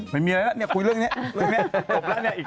ไม่มีอะไรแล้วคุยเรื่องนี้หมดแล้ว